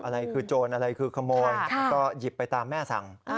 อะไรคือโจรอะไรคือขโมยก็หยิบไปตามแม่สั่ง